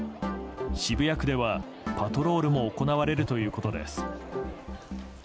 渋谷区ではパトロールも行われるということです。